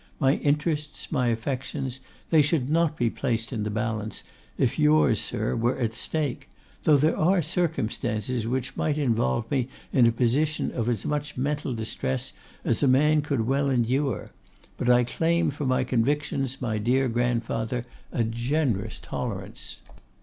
My interests, my affections, they should not be placed in the balance, if yours, sir, were at stake, though there are circumstances which might involve me in a position of as much mental distress as a man could well endure; but I claim for my convictions, my dear grandfather, a generous tolerance.